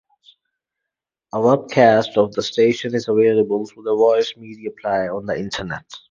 A webcast of the station is available through The Voice Mediaplayer on the internet.